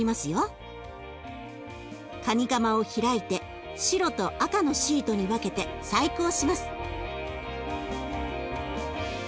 カニカマを開いて白と赤のシートに分けて細工をします。